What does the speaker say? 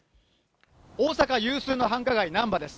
大阪有数の繁華街、難波です。